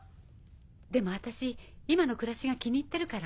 でも私今の暮らしが気に入ってるから。